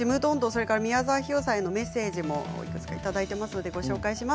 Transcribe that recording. それから宮沢氷魚さんへのメッセージをいただいています。